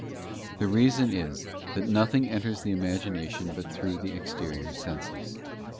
The reason is, that nothing enters the imagination but through the exterior senses.